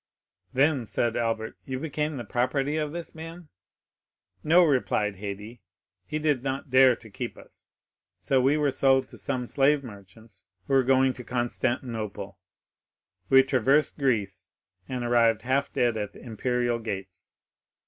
"Then," said Albert, "you became the property of this man?" 40080m "No," replied Haydée, "he did not dare to keep us, so we were sold to some slave merchants who were going to Constantinople. We traversed Greece, and arrived half dead at the imperial gates.